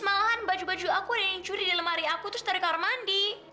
malahan baju baju aku ada yang dicuri di lemari aku terus tarik ke arah mandi